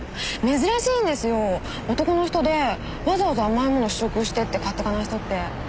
珍しいんですよ男の人でわざわざ甘い物を試食してって買っていかない人って。